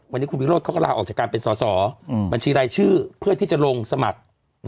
วันนี้คุณวิโรธเขาก็ลาออกจากการเป็นสอสอบัญชีรายชื่อเพื่อที่จะลงสมัคร